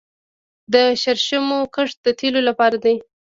د شرشمو کښت د تیلو لپاره دی